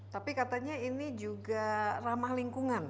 tapi katanya ini juga ramah lingkungan